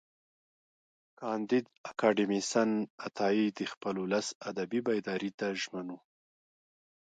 کانديد اکاډميسن عطایي د خپل ولس ادبي بیداري ته ژمن و.